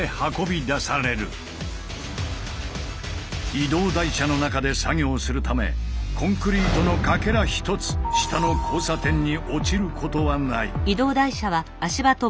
移動台車の中で作業するためコンクリートのかけら一つ下の交差点に落ちることはない。